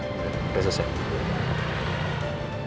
ada yang perlu saya bantu lagi pak